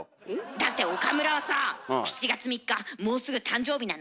だって岡村はさあ７月３日もうすぐ誕生日なのに。